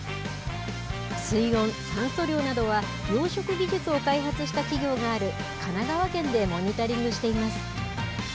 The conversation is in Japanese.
水温、酸素量などは、養殖技術を開発した企業がある神奈川県でモニタリングしています。